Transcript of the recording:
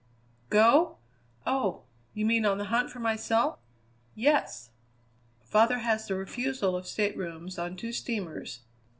"Go? Oh! you mean on the hunt for myself?" "Yes." "Father has the refusal of staterooms on two steamers.